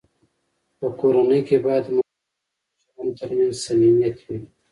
په کورنۍ کي باید د مشرانو او کشرانو ترمنځ صميميت وي.